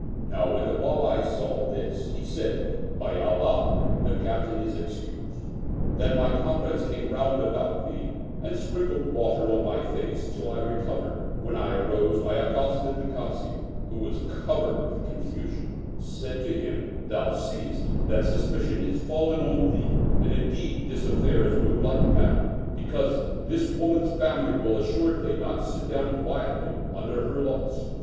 Now when the Wali saw this, he said, ^* By Allah, the Captain is excused I " Then my comrades came round about me and sprinkled water on my face till I recovered, when I arose and accosting the Kazi (who was 62 The Unjust Sentence covered with confusion), said to him, " Thou seest that sus picion is fallen on thee, and indeed this affair is no light matter, because this woman's family will assuredly not sit down quietly under her loss."